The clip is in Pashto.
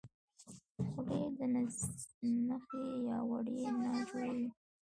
خولۍ د نخي یا وړۍ نه جوړیږي.